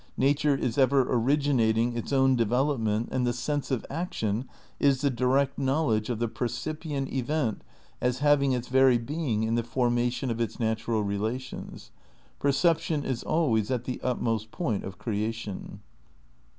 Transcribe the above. Nature is ever originating its own development and the sense of action is the direct knowledge of the percipient event as having its very being in the formation of its natural relations ... perception is always at the utmost point of creation."